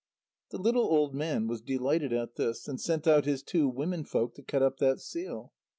The little old man was delighted at this, and sent out his two women folk to cut up that seal.